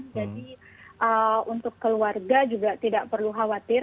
jadi untuk keluarga juga tidak perlu khawatir